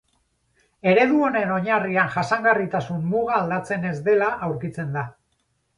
Eredu honen oinarrian jasangarritasun muga aldatzen ez dela aurkitzen da.